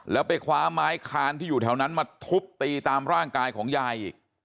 แล้วไปคว้าไม้คานที่อยู่แถวนั้นมาทุบตีตามร่างกายของยายอีก